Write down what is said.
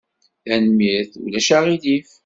Tanemmirt. Ulac aɣilif.